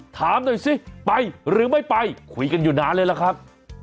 ถามหน่อยสิไปหรือไม่ไปคุยกันอยู่นานเลยล่ะครับ